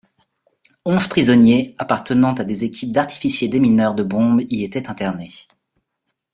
Onze prisonniers appartenant à des équipes d'artificiers-démineurs de bombes y étaient internés.